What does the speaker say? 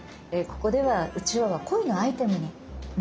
ここではうちわは恋のアイテムになっている。